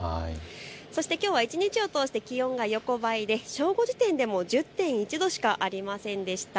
そしてきょうは一日を通して気温が横ばいで正午時点でも１０．１度しかありませんでした。